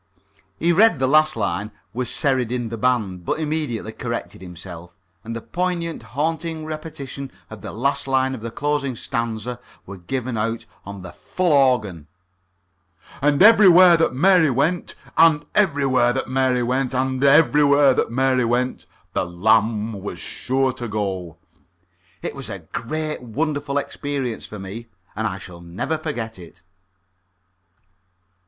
He read that last line "was serried in the band," but immediately corrected himself. And the poignant haunting repetition of the last lines of the closing stanza were given out on the full organ: "And everywhere that Mary went And everywhere that Mary went And everywhere that Mary went The lamb was sure to go." It was a great a wonderful experience for me, and I shall never forget it.